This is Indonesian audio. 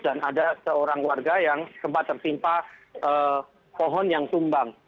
dan ada seorang warga yang sempat tertimpa pohon yang tumbang